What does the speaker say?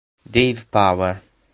Dave Power